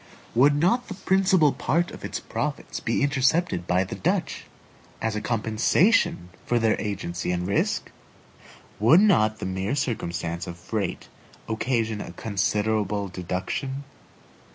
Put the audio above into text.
Would not the principal part of its profits be intercepted by the Dutch, as a compensation for their agency and risk? Would not the mere circumstance of freight occasion a considerable deduction?